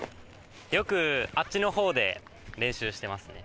よくあっちの方で練習してますね。